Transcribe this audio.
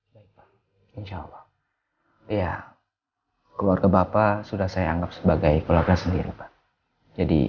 baik pak insya allah keluarga bapak sudah saya anggap sebagai keluarga sendiri pak